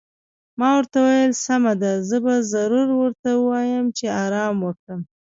ما ورته وویل: سمه ده، زه به ضرور ورته ووایم چې ارام وکړي.